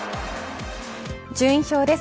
順位表です。